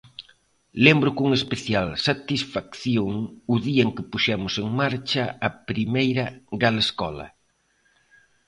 Lembro con especial satisfacción o día en que puxemos en marcha a primeira Galescola.